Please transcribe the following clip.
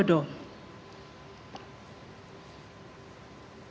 dan diberikan hak keuangan dan fasilitas lainnya